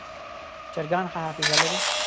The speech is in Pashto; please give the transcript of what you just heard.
چرګان ښه حافظه لري.